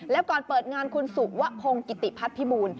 แล้วก่อนเปิดงานคุณสุวะพงกิติพัฒนภิบูรณ์